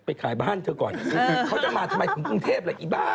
ขายบ้านเธอก่อนเขาจะมาทำไมถึงกรุงเทพล่ะอีบ้า